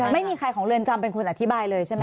ไม่มีใครของเรือนจำเป็นคนอธิบายเลยใช่ไหม